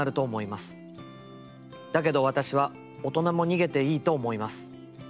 だけど私は大人も逃げていいと思います。